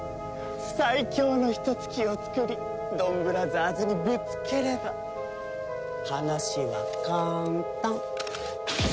最強のヒトツ鬼を作りドンブラザーズにぶつければ話は簡単。